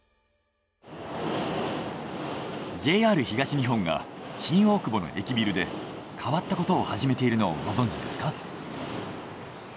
ＪＲ東日本が新大久保の駅ビルで変わったことを始めているのをご存じですか？